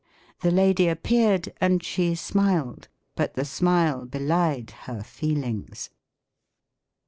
" The lady ap peared, and she smiled, but the smile belied her feel ings."